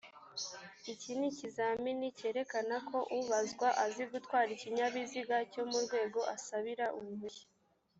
iki ni ikizamini cyerekana ko ubazwa azi gutwara ikinyabiziga cyo mu rwego asabira uruhushya